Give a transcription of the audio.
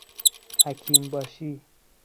حکیم باشی